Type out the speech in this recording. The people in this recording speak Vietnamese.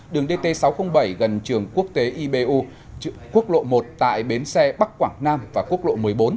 đường dt sáu trăm linh bảy gần trường quốc tế ibu quốc lộ một tại bến xe bắc quảng nam và quốc lộ một mươi bốn